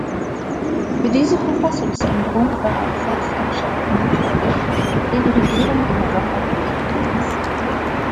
Für diese Verfassungsänderung war ein Volksentscheid notwendig, den die Regierung im November durchführen ließ.